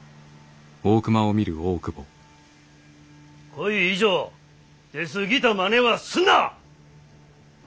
こい以上出過ぎたまねはすんな！